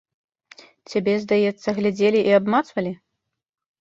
Цябе, здаецца, глядзелі і абмацвалі?